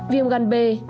viêm gan bê